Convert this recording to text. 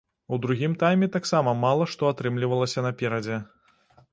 У другім тайме таксама мала што атрымлівалася наперадзе.